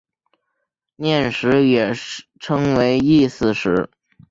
念食也称为意思食。